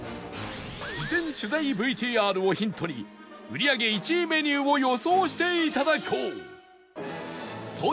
事前取材 ＶＴＲ をヒントに売り上げ１位メニューを予想して頂こう